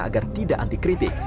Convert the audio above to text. agar tidak antikritik